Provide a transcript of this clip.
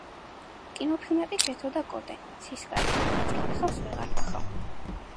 კინოფილმები „ქეთო და კოტე“, „ცისკარა“, „რაც გინახავს ვეღარ ნახავ“.